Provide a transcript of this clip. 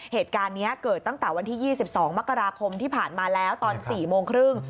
เหตุการณ์นี้เกิดตั้งแต่วันที่๒๒มกราคมที่ผ่านมาแล้วตอน๔โมงครึ่ง